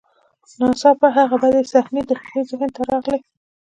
ناڅاپه هغه بدې صحنې د هغه ذهن ته راغلې